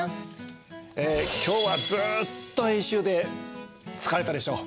今日はずっと演習で疲れたでしょう？